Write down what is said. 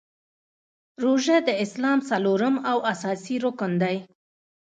روژه د اسلام څلورم او اساسې رکن دی .